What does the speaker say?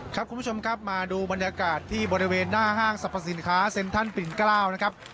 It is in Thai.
คุณผู้ชมครับมาดูบรรยากาศที่บริเวณหน้าห้างสรรพสินค้าเซ็นทรัลปิ่นเกล้านะครับ